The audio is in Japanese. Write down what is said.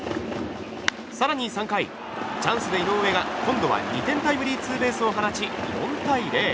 更に３回、チャンスで井上が今度は２点タイムリーツーベースを放ち４対０。